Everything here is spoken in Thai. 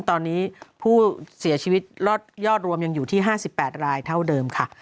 ตอนนี้ผู้เสียชีวิตยอดรวมยังอยู่ที่๕๘รายเท่าเดิมค่ะ